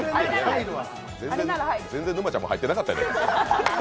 全然、沼ちゃんも入ってなかったやろ。